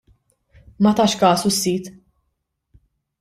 Ma tax kasu s-Sid.